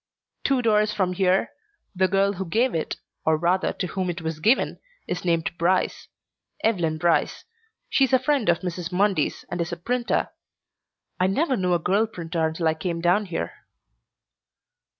"Two doors from here. The girl who gave it, or rather, to whom it was given, is named Bryce Evelyn Bryce. She is a friend of Mrs. Mundy's and is a printer. I never knew a girl printer until I came down here."